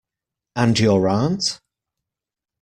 And your aunt.